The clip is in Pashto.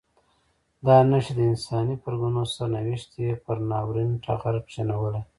دا نښې د انساني پرګنو سرنوشت یې پر ناورین ټغر کښېنولی.